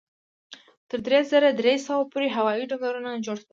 تر درې زره درې سوه پورې هوایي ډګرونه جوړ شول.